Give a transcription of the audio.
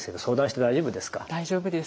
大丈夫です。